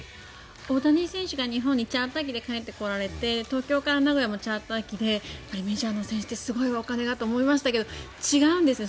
大谷選手が日本にチャーター機で帰ってこられて東京から名古屋もチャーター機でメジャーの選手ってすごいわ、お金がって思いましたけど違うんですね。